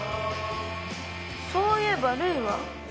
そういえば留依は？